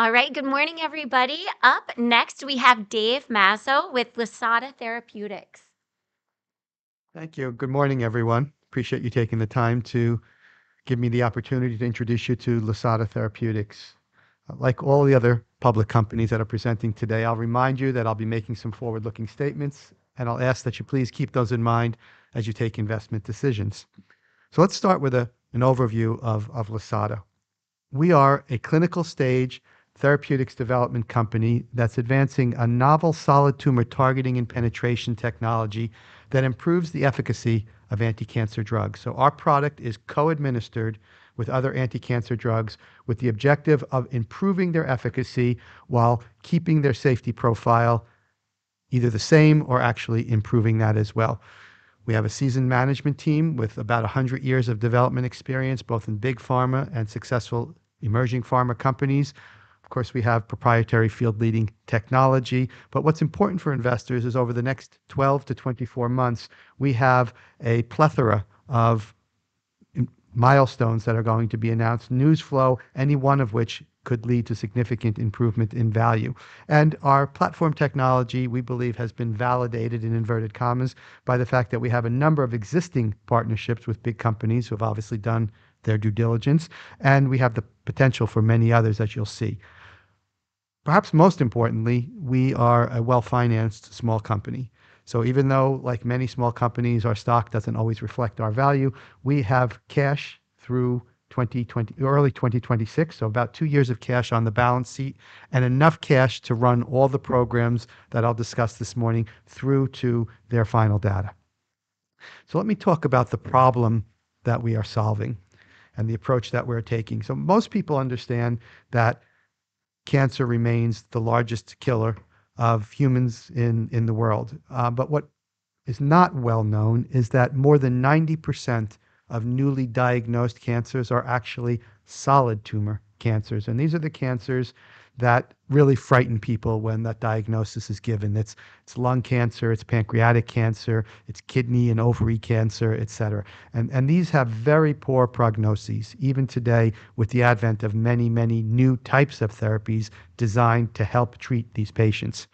All right. Good morning, everybody. Up next, we have David Mazzo with Lisata Therapeutics. Thank you. Good morning, everyone. Appreciate you taking the time to give me the opportunity to introduce you to Lisata Therapeutics. Like all the other public companies that are presenting today, I'll remind you that I'll be making some forward-looking statements, and I'll ask that you please keep those in mind as you take investment decisions. So let's start with an overview of Lisata. We are a clinical stage therapeutics development company that's advancing a novel solid tumor targeting and penetration technology that improves the efficacy of anticancer drugs. So our product is co-administered with other anticancer drugs, with the objective of improving their efficacy while keeping their safety profile either the same or actually improving that as well. We have a seasoned management team with about 100 years of development experience, both in big pharma and successful emerging pharma companies. Of course, we have proprietary field-leading technology, but what's important for investors is over the next 12-24 months, we have a plethora of milestones that are going to be announced, news flow, any one of which could lead to significant improvement in value. And our platform technology, we believe, has been validated, in inverted commas, by the fact that we have a number of existing partnerships with big companies who have obviously done their due diligence, and we have the potential for many others, as you'll see. Perhaps most importantly, we are a well-financed small company. So even though, like many small companies, our stock doesn't always reflect our value, we have cash through 2025 early 2026, so about two years of cash on the balance sheet and enough cash to run all the programs that I'll discuss this morning through to their final data. So let me talk about the problem that we are solving and the approach that we're taking. So most people understand that cancer remains the largest killer of humans in the world. But what is not well known is that more than 90% of newly diagnosed cancers are actually solid tumor cancers, and these are the cancers that really frighten people when that diagnosis is given. It's lung cancer, it's pancreatic cancer, it's kidney and ovary cancer, et cetera. These have very poor prognoses, even today, with the advent of many, many new types of therapies designed to help treat these patients.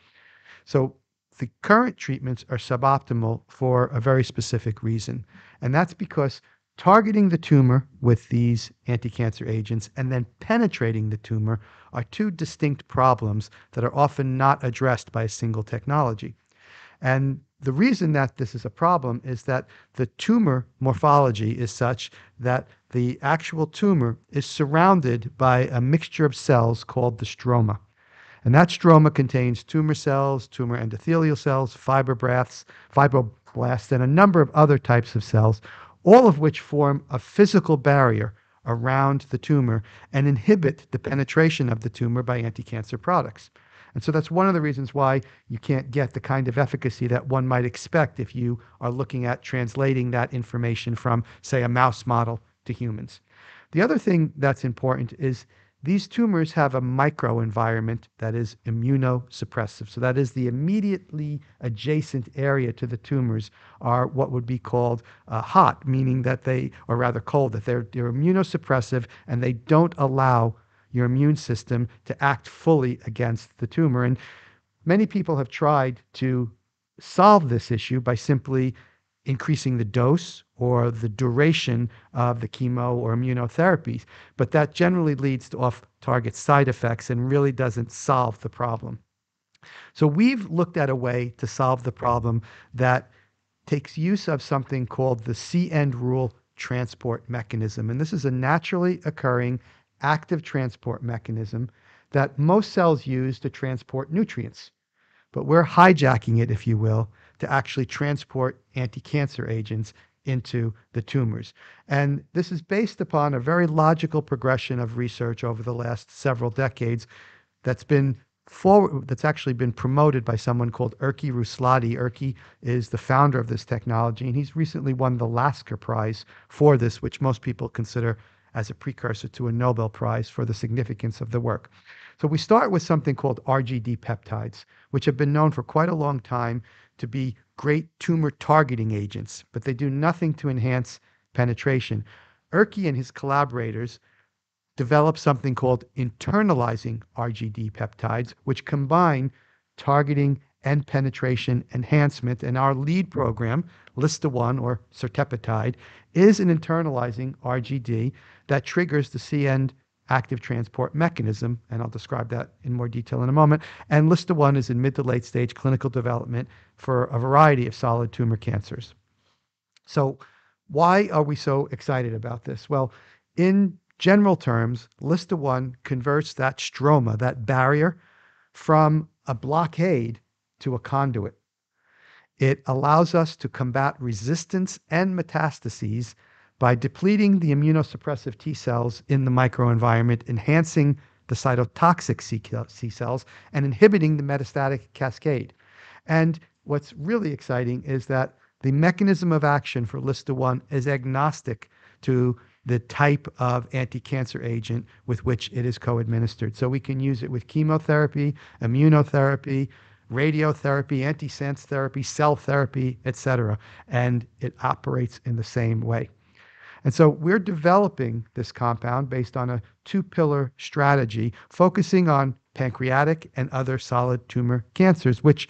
So the current treatments are suboptimal for a very specific reason, and that's because targeting the tumor with these anticancer agents and then penetrating the tumor are two distinct problems that are often not addressed by a single technology. And the reason that this is a problem is that the tumor morphology is such that the actual tumor is surrounded by a mixture of cells called the stroma, and that stroma contains tumor cells, tumor endothelial cells, fibroblasts, and a number of other types of cells, all of which form a physical barrier around the tumor and inhibit the penetration of the tumor by anticancer products. And so that's one of the reasons why you can't get the kind of efficacy that one might expect if you are looking at translating that information from, say, a mouse model to humans. The other thing that's important is these tumors have a microenvironment that is immunosuppressive. So that is the immediately adjacent area to the tumors are what would be called hot, meaning that they are rather cold, that they're immunosuppressive, and they don't allow your immune system to act fully against the tumor. And many people have tried to solve this issue by simply increasing the dose or the duration of the chemo or immunotherapies, but that generally leads to off-target side effects and really doesn't solve the problem. So we've looked at a way to solve the problem that takes use of something called the C-end rule transport mechanism, and this is a naturally occurring active transport mechanism that most cells use to transport nutrients. But we're hijacking it, if you will, to actually transport anticancer agents into the tumors. And this is based upon a very logical progression of research over the last several decades that's actually been promoted by someone called Erkki Ruoslahti. Erkki is the founder of this technology, and he's recently won the Lasker Prize for this, which most people consider as a precursor to a Nobel Prize for the significance of the work. So we start with something called RGD peptides, which have been known for quite a long time to be great tumor-targeting agents, but they do nothing to enhance penetration. Erkki and his collaborators developed something called internalizing RGD peptides, which combine targeting and penetration enhancement, and our lead program, LSTA1 or certepetide, is an internalizing RGD that triggers the CendR active transport mechanism, and I'll describe that in more detail in a moment. LSTA1 is in mid- to late-stage clinical development for a variety of solid tumor cancers. So why are we so excited about this? Well, in general terms, LSTA1 converts that stroma, that barrier, from a blockade to a conduit. It allows us to combat resistance and metastases by depleting the immunosuppressive T cells in the microenvironment, enhancing the cytotoxic T cells, and inhibiting the metastatic cascade. What's really exciting is that the mechanism of action for LSTA1 is agnostic to the type of anticancer agent with which it is co-administered. So we can use it with chemotherapy, immunotherapy, radiotherapy, antisense therapy, cell therapy, et cetera, and it operates in the same way. And so we're developing this compound based on a two-pillar strategy, focusing on pancreatic and other solid tumor cancers, which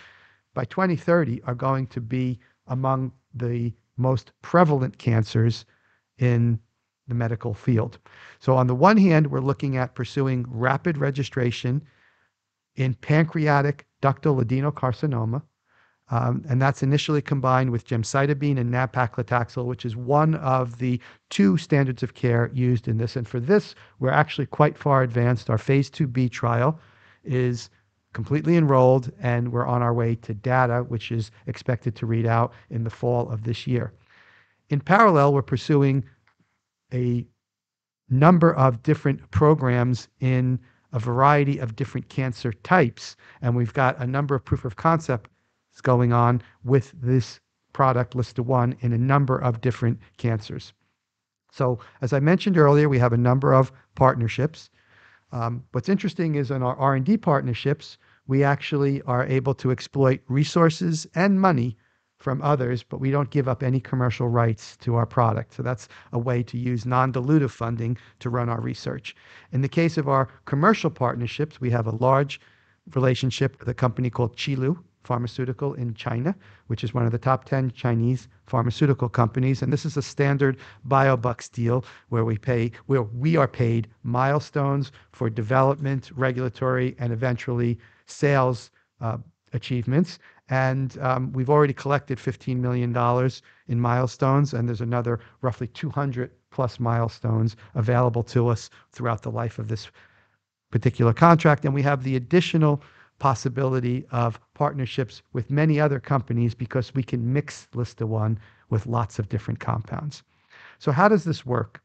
by 2030 are going to be among the most prevalent cancers in the medical field. So on the one hand, we're looking at pursuing rapid registration in pancreatic ductal adenocarcinoma, and that's initially combined with gemcitabine and nab-paclitaxel, which is one of the two standards of care used in this, and for this, we're actually quite far advanced. Our Phase II-B trial is completely enrolled, and we're on our way to data, which is expected to read out in the fall of this year. In parallel, we're pursuing a number of different programs in a variety of different cancer types, and we've got a number of proof of concepts going on with this product, LSTA1, in a number of different cancers. So as I mentioned earlier, we have a number of partnerships. What's interesting is in our R&D partnerships, we actually are able to exploit resources and money from others, but we don't give up any commercial rights to our product. So that's a way to use non-dilutive funding to run our research. In the case of our commercial partnerships, we have a large relationship with a company called Qilu Pharmaceutical in China, which is one of the top ten Chinese pharmaceutical companies, and this is a standard biobucks deal where we are paid milestones for development, regulatory, and eventually sales, achievements. And we've already collected $15 million in milestones, and there's another roughly 200+ milestones available to us throughout the life of this particular contract, and we have the additional possibility of partnerships with many other companies because we can mix LSTA1 with lots of different compounds. So how does this work?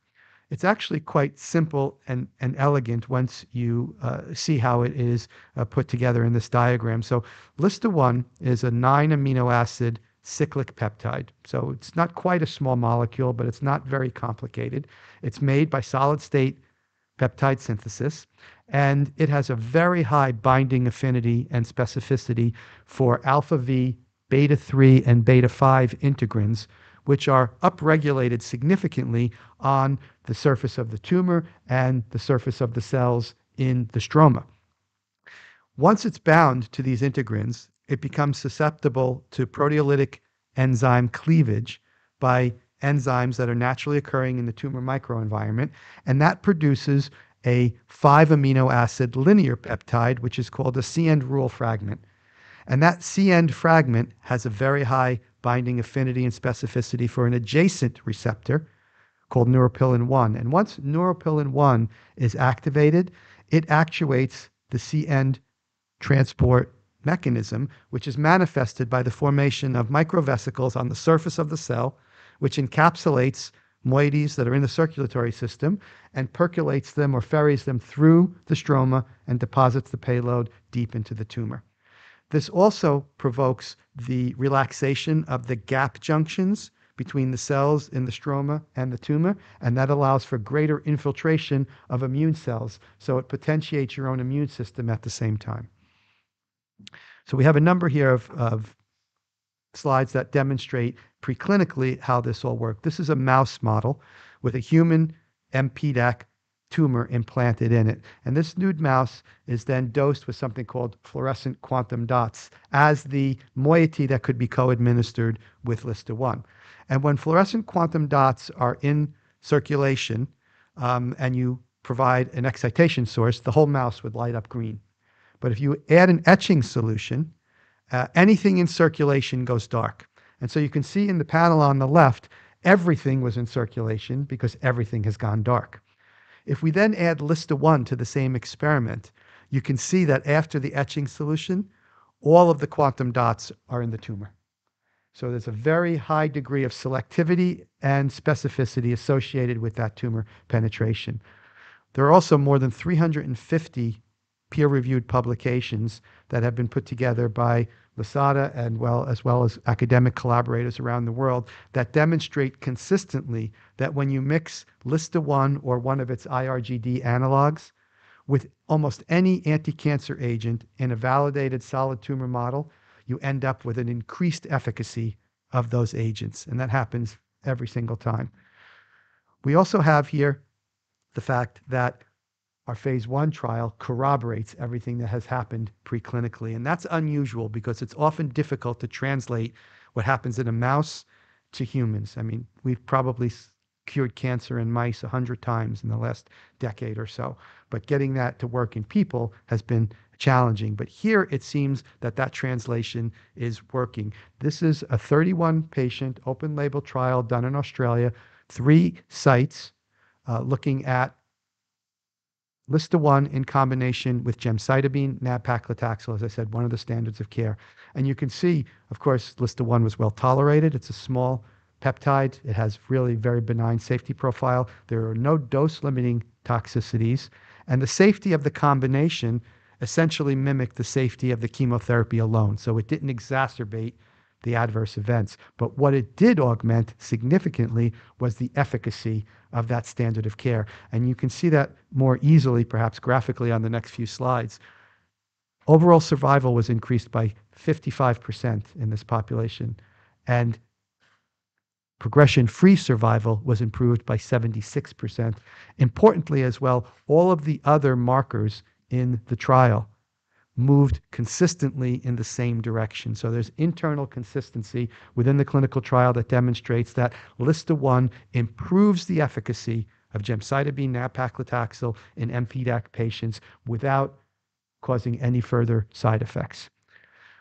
It's actually quite simple and elegant once you see how it is put together in this diagram. So LSTA1 is a nine amino acid cyclic peptide, so it's not quite a small molecule, but it's not very complicated. It's made by solid-phase peptide synthesis, and it has a very high binding affinity and specificity for alpha V beta three and beta five integrins, which are upregulated significantly on the surface of the tumor and the surface of the cells in the stroma. Once it's bound to these integrins, it becomes susceptible to proteolytic enzyme cleavage by enzymes that are naturally occurring in the tumor microenvironment, and that produces a five amino acid linear peptide, which is called a C-end rule fragment. That C-end fragment has a very high binding affinity and specificity for an adjacent receptor called neuropilin-1, and once neuropilin-1 is activated, it actuates the C-end transport mechanism, which is manifested by the formation of microvesicles on the surface of the cell, which encapsulates moieties that are in the circulatory system and percolates them or ferries them through the stroma and deposits the payload deep into the tumor. This also provokes the relaxation of the gap junctions between the cells in the stroma and the tumor, and that allows for greater infiltration of immune cells, so it potentiates your own immune system at the same time. So we have a number here of, of slides that demonstrate preclinically how this will work. This is a mouse model with a human mPDAC tumor implanted in it, and this nude mouse is then dosed with something called fluorescent quantum dots as the moiety that could be co-administered with LSTA1. And when fluorescent quantum dots are in circulation, and you provide an excitation source, the whole mouse would light up green. But if you add an etching solution, anything in circulation goes dark. And so you can see in the panel on the left, everything was in circulation because everything has gone dark. If we then add LSTA1 to the same experiment, you can see that after the etching solution, all of the quantum dots are in the tumor. So there's a very high degree of selectivity and specificity associated with that tumor penetration. There are also more than 350 peer-reviewed publications that have been put together by Lisata and well, as well as academic collaborators around the world, that demonstrate consistently that when you mix LSTA1 or one of its iRGD analogues with almost any anticancer agent in a validated solid tumor model, you end up with an increased efficacy of those agents, and that happens every single time. We also have here the fact that our phase I trial corroborates everything that has happened preclinically, and that's unusual because it's often difficult to translate what happens in a mouse to humans. I mean, we've probably cured cancer in mice 100x in the last decade or so, but getting that to work in people has been challenging. But here it seems that that translation is working. This is a 31-patient, open label trial done in Australia, three sites, looking at LSTA1 in combination with gemcitabine, nab-paclitaxel, as I said, one of the standards of care. And you can see, of course, LSTA1 was well-tolerated. It's a small peptide. It has really very benign safety profile. There are no dose-limiting toxicities, and the safety of the combination essentially mimicked the safety of the chemotherapy alone. So it didn't exacerbate the adverse events, but what it did augment significantly was the efficacy of that standard of care, and you can see that more easily, perhaps graphically, on the next few slides. Overall survival was increased by 55% in this population, and progression-free survival was improved by 76%. Importantly as well, all of the other markers in the trial moved consistently in the same direction. So there's internal consistency within the clinical trial that demonstrates that LSTA1 improves the efficacy of gemcitabine, nab-paclitaxel in mPDAC patients without causing any further side effects.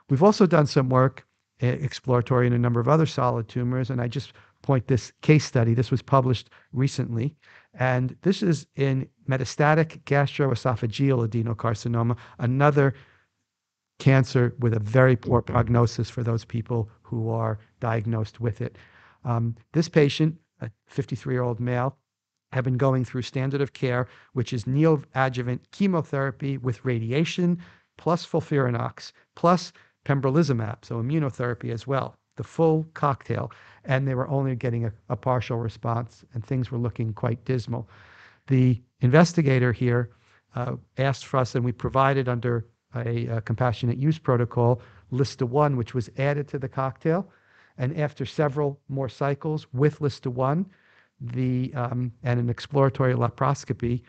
We've also done some work, exploratory in a number of other solid tumors, and I just point this case study. This was published recently, and this is in metastatic gastroesophageal adenocarcinoma, another cancer with a very poor prognosis for those people who are diagnosed with it. This patient, a 53-year-old male, had been going through standard of care, which is neoadjuvant chemotherapy with radiation, plus FOLFIRINOX, plus pembrolizumab, so immunotherapy as well, the full cocktail, and they were only getting a partial response, and things were looking quite dismal. The investigator here asked for us, and we provided under a compassionate use protocol, LSTA1, which was added to the cocktail, and after several more cycles with LSTA1, and an exploratory laparoscopy,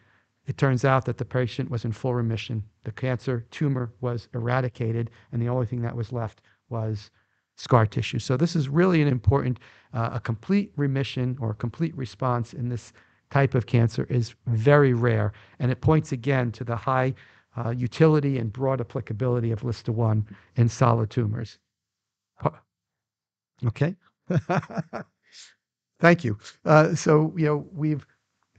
it turns out that the patient was in full remission. The cancer tumor was eradicated, and the only thing that was left was scar tissue. So this is really an important. A complete remission or complete response in this type of cancer is very rare, and it points again to the high utility and broad applicability of LSTA1 in solid tumors. Okay. Thank you. So, you know, we've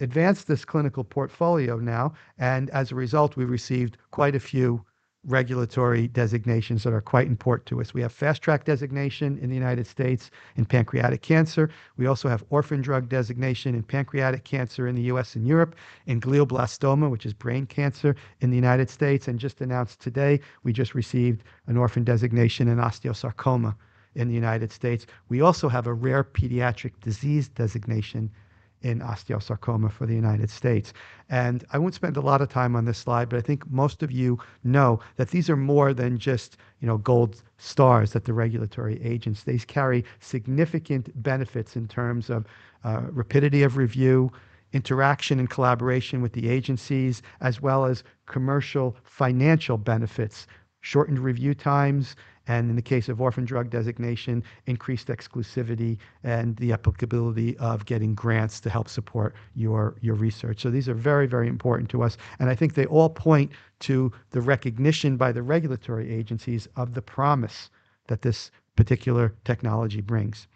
advanced this clinical portfolio now, and as a result, we've received quite a few regulatory designations that are quite important to us. We have Fast Track Designation in the United States in pancreatic cancer. We also have Orphan Drug Designation in pancreatic cancer in the U.S. and Europe, in glioblastoma, which is brain cancer in the United States, and just announced today, we just received an Orphan Drug Designation in osteosarcoma in the United States. We also have a Rare Pediatric Disease Designation in osteosarcoma for the United States. And I won't spend a lot of time on this slide, but I think most of you know that these are more than just, you know, gold stars at the regulatory agencies. These carry significant benefits in terms of, rapidity of review, interaction and collaboration with the agencies, as well as commercial financial benefits, shortened review times, and in the case of orphan drug designation, increased exclusivity and the applicability of getting grants to help support your, your research. So these are very, very important to us, and I think they all point to the recognition by the regulatory agencies of the promise that this particular technology brings.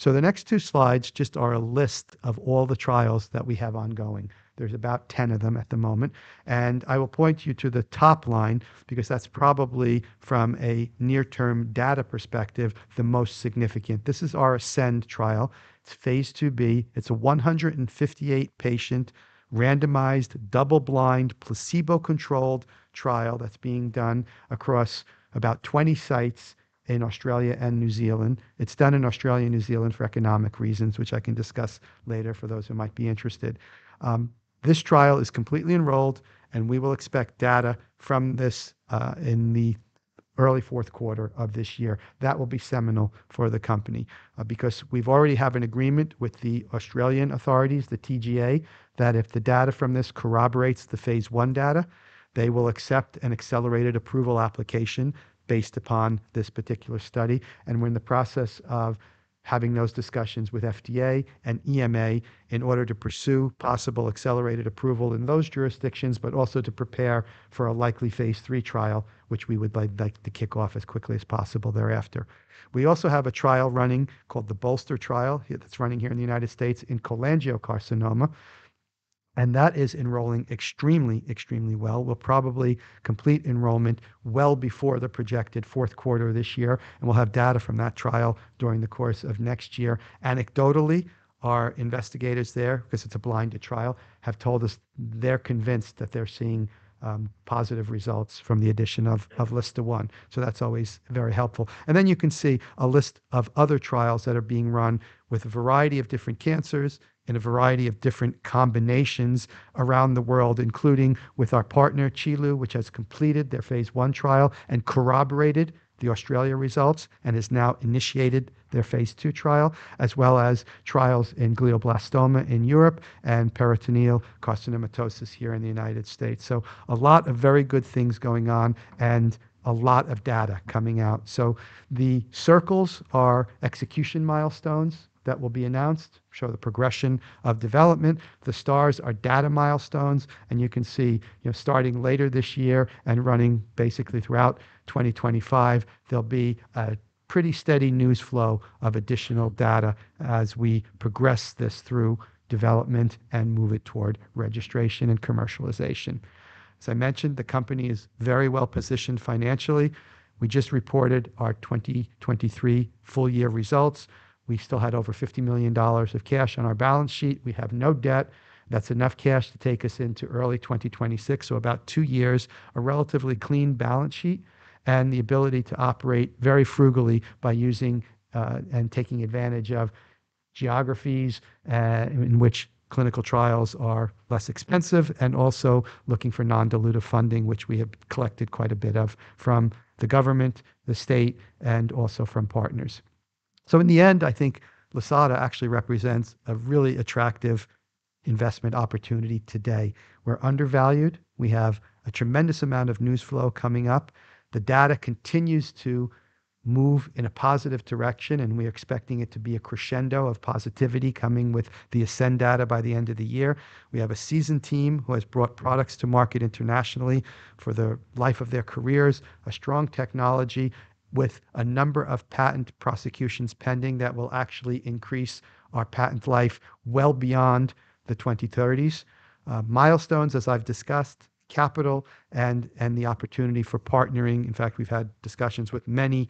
The next two slides just are a list of all the trials that we have ongoing. There's about 10 of them at the moment, and I will point you to the top line because that's probably, from a near-term data perspective, the most significant. This is our ASCEND trial. It's phase IIb. It's a 158-patient, randomized, double-blind, placebo-controlled trial that's being done across about 20 sites in Australia and New Zealand. It's done in Australia and New Zealand for economic reasons, which I can discuss later for those who might be interested. This trial is completely enrolled, and we will expect data from this in the early fourth quarter of this year. That will be seminal for the company, because we've already have an agreement with the Australian authorities, the TGA, that if the data from this corroborates the phase I data, they will accept an accelerated approval application based upon this particular study. We're in the process of having those discussions with FDA and EMA in order to pursue possible accelerated approval in those jurisdictions, but also to prepare for a likely phase III trial, which we would like to kick off as quickly as possible thereafter. We also have a trial running called the BOLSTER trial. It's running here in the United States in cholangiocarcinoma, and that is enrolling extremely, extremely well. We'll probably complete enrollment well before the projected fourth quarter of this year, and we'll have data from that trial during the course of next year. Anecdotally, our investigators there, because it's a blinded trial, have told us they're convinced that they're seeing positive results from the addition of, of LSTA1. So that's always very helpful. And then you can see a list of other trials that are being run with a variety of different cancers and a variety of different combinations around the world, including with our partner, Qilu, which has completed their phase I trial and corroborated the Australia results and has now initiated their phase II trial, as well as trials in glioblastoma in Europe and peritoneal carcinomatosis here in the United States. So a lot of very good things going on and a lot of data coming out. So the circles are execution milestones that will be announced, show the progression of development. The stars are data milestones, and you can see, you know, starting later this year and running basically throughout 2025, there'll be a pretty steady news flow of additional data as we progress this through development and move it toward registration and commercialization. As I mentioned, the company is very well-positioned financially. We just reported our 2023 full-year results. We still had over $50 million of cash on our balance sheet. We have no debt. That's enough cash to take us into early 2026, so about two years, a relatively clean balance sheet, and the ability to operate very frugally by using, and taking advantage of geographies, in which clinical trials are less expensive, and also looking for non-dilutive funding, which we have collected quite a bit of from the government, the state, and also from partners.... So in the end, I think Lisata actually represents a really attractive investment opportunity today. We're undervalued, we have a tremendous amount of news flow coming up. The data continues to move in a positive direction, and we're expecting it to be a crescendo of positivity coming with the ASCEND data by the end of the year. We have a seasoned team who has brought products to market internationally for the life of their careers, a strong technology with a number of patent prosecutions pending that will actually increase our patent life well beyond the 2030s. Milestones, as I've discussed, capital and the opportunity for partnering. In fact, we've had discussions with many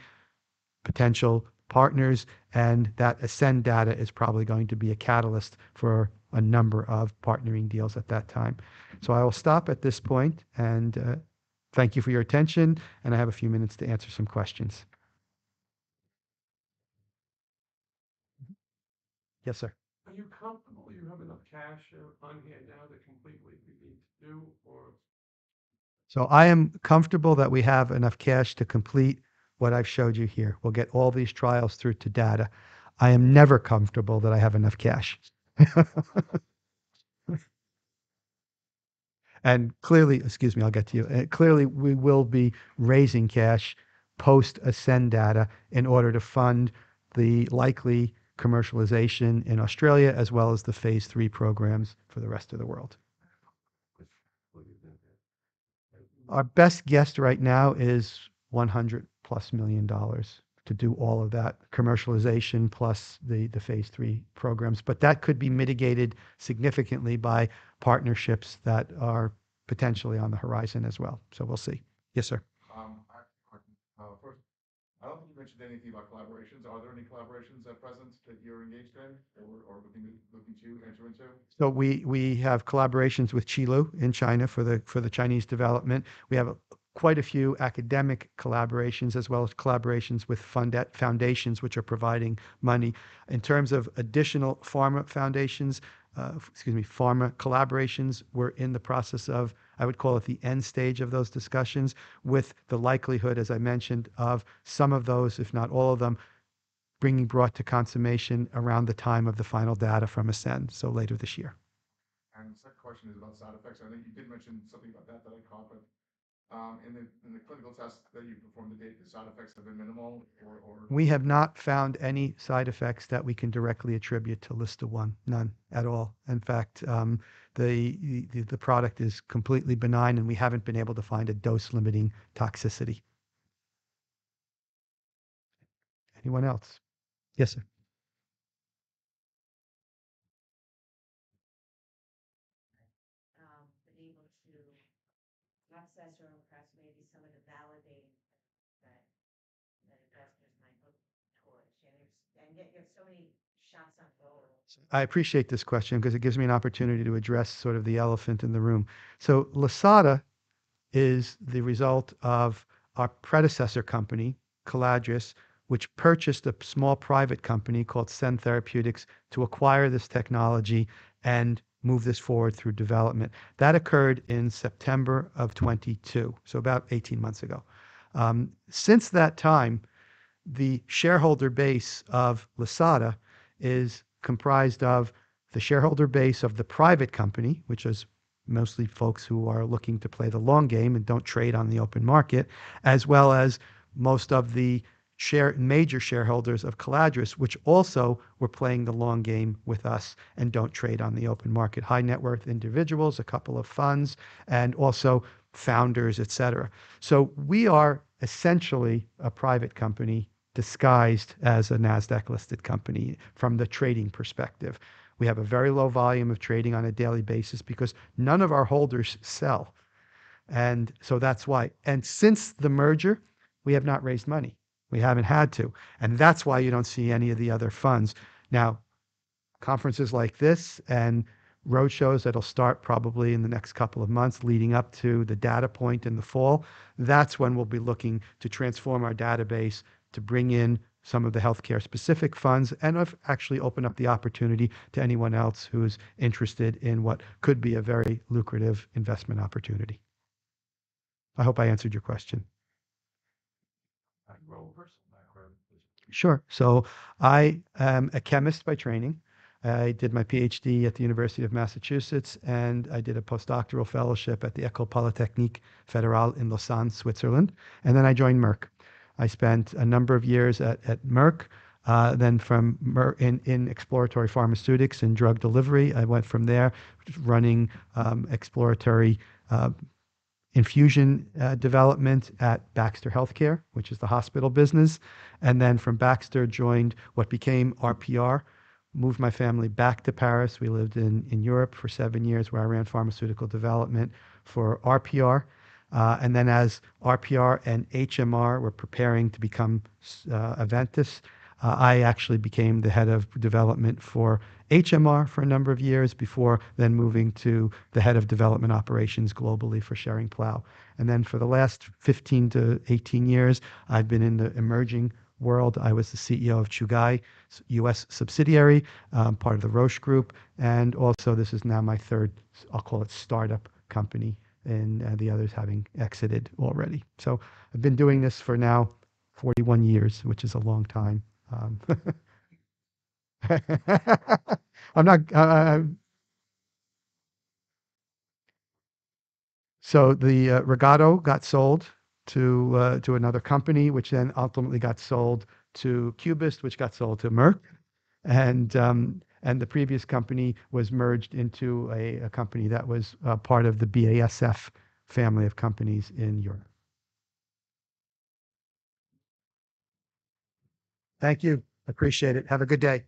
potential partners, and that ASCEND data is probably going to be a catalyst for a number of partnering deals at that time. So I will stop at this point, and, thank you for your attention, and I have a few minutes to answer some questions. Yes, sir? Are you comfortable you have enough cash on hand now to complete what you need to do or? So, I am comfortable that we have enough cash to complete what I've showed you here. We'll get all these trials through to data. I am never comfortable that I have enough cash. And clearly... Excuse me, I'll get to you. And clearly, we will be raising cash post-ASCEND data in order to fund the likely commercialization in Australia, as well as the Phase III programs for the rest of the world. What will you do then? Our best guess right now is $100+ million to do all of that commercialization, plus the phase III programs, but that could be mitigated significantly by partnerships that are potentially on the horizon as well. So we'll see. Yes, sir. I have a question. First, I don't think you mentioned anything about collaborations. Are there any collaborations at present that you're engaged in or, or looking to, looking to enter into? So we have collaborations with Qilu in China for the Chinese development. We have quite a few academic collaborations as well as collaborations with funded foundations which are providing money. In terms of additional pharma foundations, excuse me, pharma collaborations, we're in the process of, I would call it, the end stage of those discussions, with the likelihood, as I mentioned, of some of those, if not all of them, being brought to consummation around the time of the final data from ASCEND, so later this year. The second question is about side effects. I think you did mention something about that that I caught, but in the clinical tests that you've performed to date, the side effects have been minimal or, or? We have not found any side effects that we can directly attribute to LSTA1, none at all. In fact, the product is completely benign, and we haven't been able to find a dose-limiting toxicity. Anyone else? Yes, sir. been able to access or perhaps maybe someone to validate that, that investors might look towards, and there's and yet you have so many shots on goal. I appreciate this question because it gives me an opportunity to address sort of the elephant in the room. So Lisata is the result of our predecessor company, Caladrius, which purchased a small private company called Cend Therapeutics, to acquire this technology and move this forward through development. That occurred in September 2022, so about 18 months ago. Since that time, the shareholder base of Lisata is comprised of the shareholder base of the private company, which is mostly folks who are looking to play the long game and don't trade on the open market, as well as most of the major shareholders of Caladrius, which also were playing the long game with us and don't trade on the open market. High net worth individuals, a couple of funds, and also founders, et cetera. So we are essentially a private company disguised as a NASDAQ-listed company from the trading perspective. We have a very low volume of trading on a daily basis because none of our holders sell, and so that's why. And since the merger, we have not raised money. We haven't had to, and that's why you don't see any of the other funds. Now, conferences like this and roadshows that'll start probably in the next couple of months, leading up to the data point in the fall, that's when we'll be looking to transform our database to bring in some of the healthcare-specific funds and have actually open up the opportunity to anyone else who's interested in what could be a very lucrative investment opportunity. I hope I answered your question. I can roll first. Sure. So I am a chemist by training. I did my PhD at the University of Massachusetts, and I did a postdoctoral fellowship at the École Polytechnique Fédérale in Lausanne, Switzerland, and then I joined Merck. I spent a number of years at Merck, then from Merck in exploratory pharmaceutics and drug delivery. I went from there, running exploratory infusion development at Baxter Healthcare, which is the hospital business, and then from Baxter, joined what became RPR, moved my family back to Paris. We lived in Europe for seven years, where I ran pharmaceutical development for RPR. And then as RPR and HMR were preparing to become Aventis, I actually became the head of development for HMR for a number of years before then moving to the head of development operations globally for Schering-Plough. Then for the last 15-18 years, I've been in the emerging world. I was the CEO of Chugai Pharma USA, part of the Roche Group, and also this is now my third, I'll call it, startup company, and the others having exited already. I've been doing this for now 41 years, which is a long time, I'm not... The Regado got sold to another company, which then ultimately got sold to Cubist, which got sold to Merck, and the previous company was merged into a company that was part of the BASF family of companies in Europe. Thank you. Appreciate it. Have a good day.